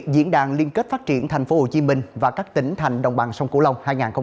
diễn đàn liên kết phát triển tp hcm và các tỉnh thành đồng bằng sông cửu long hai nghìn hai mươi bốn